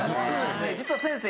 実は先生